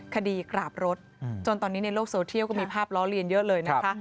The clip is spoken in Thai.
คดีกราบรถจนตอนนี้ในโลกโซเทียลก็มีภาพล้อเลียนเยอะเลยนะคะ